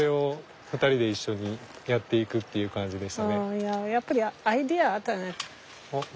いややっぱりアイデアあったね。